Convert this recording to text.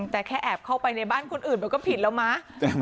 แต่แค่แอบเข้าไปในบ้านคนอื่นมันก็ผิดแล้วมั้ง